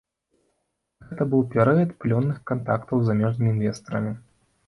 Гэта быў перыяд плённых кантактаў з замежнымі інвестарамі.